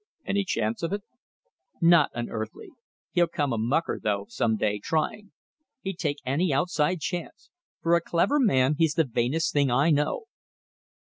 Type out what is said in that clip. "Any chance of it?" "Not an earthly! He'll come a mucker, though, some day, trying. He'd take any outside chance. For a clever man he's the vainest thing I know."